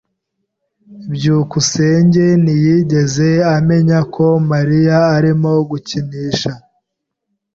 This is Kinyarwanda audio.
byukusenge ntiyigeze amenya ko Mariya arimo gukinisha.